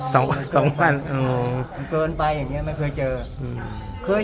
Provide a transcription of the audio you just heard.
สองสองวันโอ้โหเกินไปอย่างเงี้ยไม่เคยเจออืม